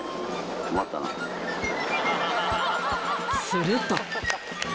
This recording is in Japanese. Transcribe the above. すると！